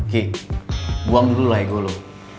ki buang dulu lah ego loh